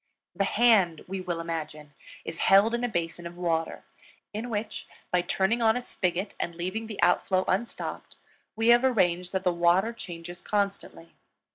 The hand, we will imagine, is held in a basin of water, in which, by turning on a spigot and leaving the outflow unstopped, we have arranged that the water changes constantly.